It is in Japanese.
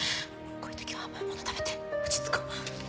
こういう時は甘いもの食べて落ち着こう。